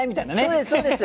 そうですそうです。